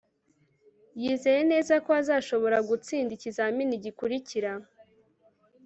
yizeye neza ko azashobora gutsinda ikizamini gikurikira